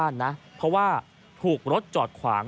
และแถมของ